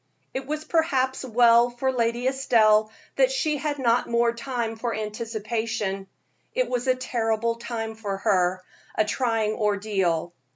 It was perhaps well for Lady Estelle that she had not more time for anticipation; it was a terrible time for her a trying ordeal.